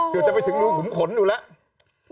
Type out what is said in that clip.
เกือบจะไปถึงรูขุมขนอยู่แล้ว